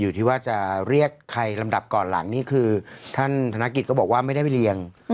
อยู่ที่ว่าจะเรียกใครลำดับก่อนหลังนี่คือท่านธนกิจก็บอกว่าไม่ได้ไปเรียง